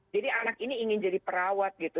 jadi anak ini ingin jadi perawat gitu